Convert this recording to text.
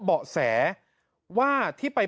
เบาะแสว่าที่ไป